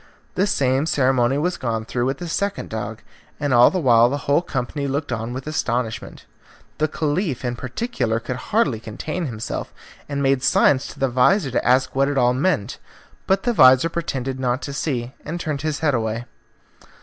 The same ceremony was gone through with the second dog, and all the while the whole company looked on with astonishment. The Caliph in particular could hardly contain himself, and made signs to the vizir to ask what it all meant. But the vizir pretended not to see, and turned his head away.